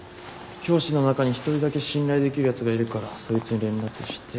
教師の中に１人だけ信頼できるやつがいるからそいつに連絡してみて。